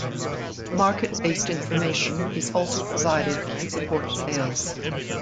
Market based information is also provided to support sales.